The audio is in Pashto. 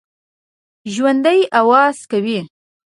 ژوندي آواز کوي